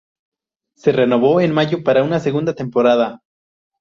Se renovó en mayo para una segunda temporada.